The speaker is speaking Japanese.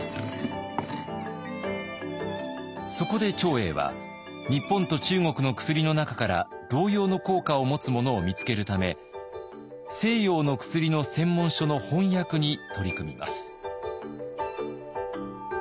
そこで長英は日本と中国の薬の中から同様の効果を持つものを見つけるため西洋の薬の専門書の翻訳に取り組みます。